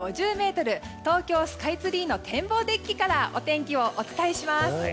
ということで、今日は高さ３５０ｍ東京スカイツリーの天望デッキからお天気をお伝えします。